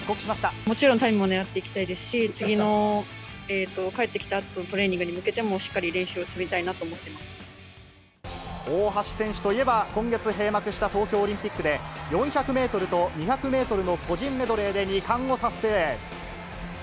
もちろんタイムも狙っていきたいですし、次の帰ってきたあとのトレーニングに向けても、しっかり練習を積大橋選手といえば、今月閉幕した東京オリンピックで、４００メートルと２００メートルの個人メドレーで２冠を達成。